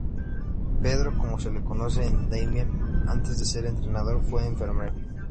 Pedro, como se le conoce en Daimiel, antes de ser entrenador fue enfermero.